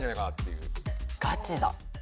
ガチだ。